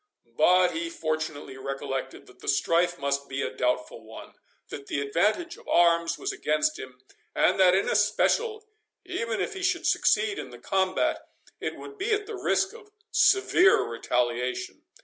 But he fortunately recollected, that the strife must be a doubtful one—that the advantage of arms was against him—and that, in especial, even if he should succeed in the combat, it would be at the risk of severe retaliation.